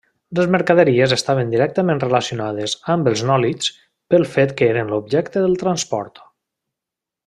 Les mercaderies estaven directament relacionades amb els nòlits, pel fet que eren l’objecte del transport.